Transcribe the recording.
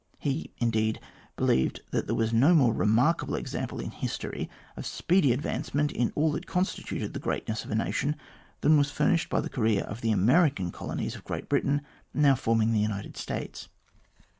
He, indeed, believed that there was no more remarkable example in history of speedy advancement in all that constituted the greatness of a nation than was furnished by the career of the American colonies of Great Britain, now forming the United States.